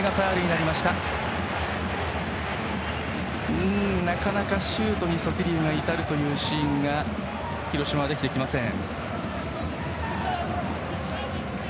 なかなかシュートにソティリウが至るというシーンが広島はできてきません。